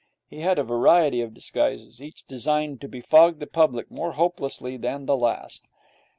He had a variety of disguises, each designed to befog the public more hopelessly than the last.